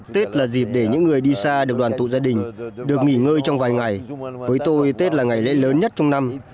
tết là dịp để những người đi xa được đoàn tụ gia đình được nghỉ ngơi trong vài ngày với tôi tết là ngày lễ lớn nhất trong năm